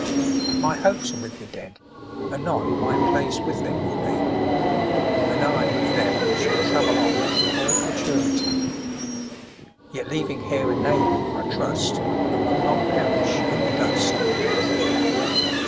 My hopes are with the Dead; anon My place with them will be, 20 And I with them shall travel on Through all Futurity; Yet leaving here a name, I trust, That will not perish in the dust.